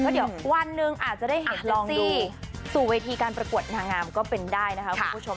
เดี๋ยววันหนึ่งอาจจะได้เห็นลองดูสู่เวทีการประกวดนางงามก็เป็นได้นะคะคุณผู้ชม